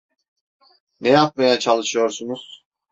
Ne yapmaya çalışıyorsunuz?